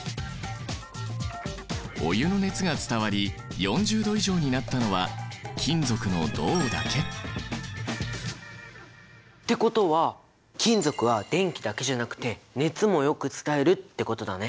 お湯の熱が伝わり４０℃以上になったのは金属の銅だけ。ってことは金属は電気だけじゃなくて熱もよく伝えるってことだね！